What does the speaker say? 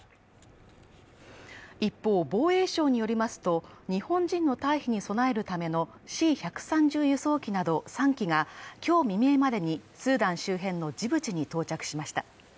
一方、防衛省によりますと、日本人の退避に備えるためのＣ−１３０輸送機など３機が今日未明までにスーダン周辺のジブチに到着しました。